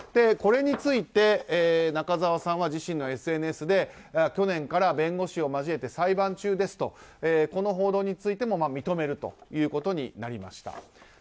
これについて、中澤さんが自身のＳＮＳで去年から弁護士を交えて裁判中ですとこの報道についても認めるということになりました。